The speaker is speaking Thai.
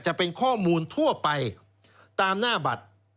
จะเป็นข้อมูลทั่วไปตามหน้าบัตร